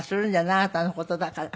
あなたの事だから。